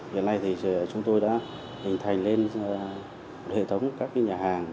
hiện nay thì chúng tôi đã hình thành lên hệ thống các nhà hàng